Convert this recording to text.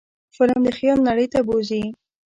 فلم د خیال نړۍ ته بوځي